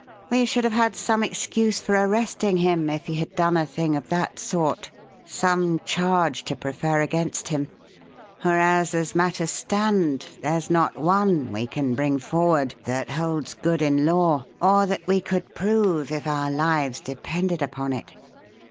We should have had some excuse for arresting him if he had done a thing of that sort, some charge to prefer against him, whereas, as matters stand, there's not one we can bring forward that holds good in law or that we could prove if our lives depended upon it.